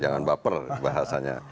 jangan baper bahasanya